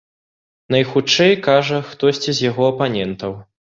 Найхутчэй, кажа, хтосьці з яго апанентаў.